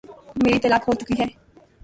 میری طلاق ہو چکی ہے۔